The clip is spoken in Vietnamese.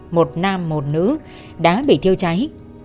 một nam một nữ đã bị thiêu cháy